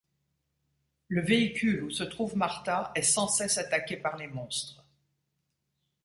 Le véhicule où se trouve Martha est sans cesse attaqué par les monstres.